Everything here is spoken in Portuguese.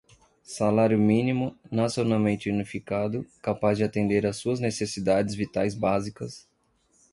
salário mínimo, nacionalmente unificado, capaz de atender a suas necessidades vitais básicas